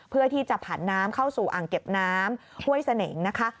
เพื่อที่จะผันน้ำเข้าสู่อ่างเก็บน้ำห้วยเสน่ห์นะคะ